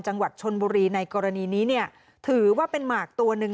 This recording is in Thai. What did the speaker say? จังหวัดชนบุรีในกรณีนี้เนี่ยถือว่าเป็นหมากตัวหนึ่ง